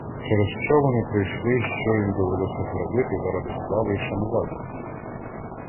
Через що вони пройшли й що їм довелося зробити заради слави й шанувальників?